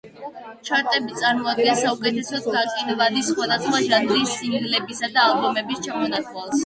ჩარტები წარმოადგენს საუკეთესოდ გაყიდვადი სხვადასხვა ჟანრის სინგლებისა და ალბომების ჩამონათვალს.